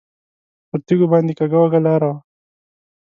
پر تیږو باندې کږه وږه لاره وه.